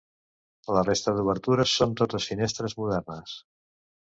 La resta d'obertures, són totes finestres modernes.